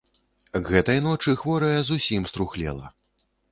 К гэтай ночы хворая зусім струхлела.